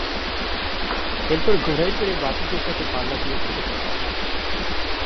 এরপর ঘোড়ায় চড়ে বাতাসের সাথে পাল্লা দিয়ে ছুটে চললেন।